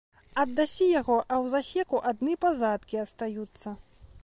Аддасі яго, а ў засеку адны пазадкі астаюцца.